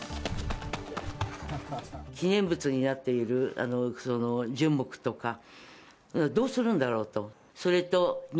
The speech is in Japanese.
記念物になっている樹木とか、どうするんだろうと。